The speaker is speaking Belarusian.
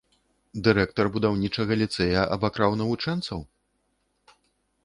Дырэктар будаўнічага ліцэя абакраў навучэнцаў?